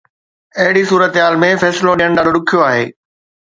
اهڙي صورتحال ۾ فيصلو ڏيڻ ڏاڍو ڏکيو آهي.